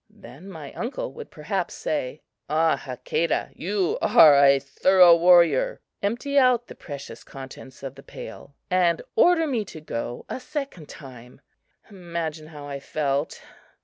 Then my uncle would perhaps say: "Ah, Hakadah, you are a thorough warrior," empty out the precious contents of the pail, and order me to go a second time. Imagine how I felt!